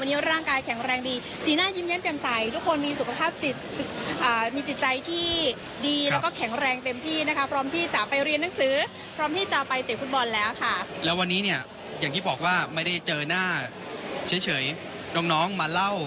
วันนี้ร่างกายแข็งแรงดีสีหน้ายิ้มเย็นเต็มใส